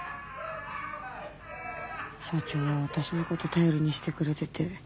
社長は私の事頼りにしてくれてて。